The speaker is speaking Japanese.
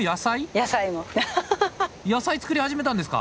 野菜作り始めたんですか！